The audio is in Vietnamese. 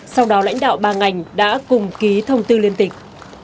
sau đó lãnh đạo ba ngành đã cùng ký thông tư liên tịch